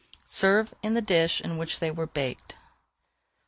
Serve in the dish in which they were baked.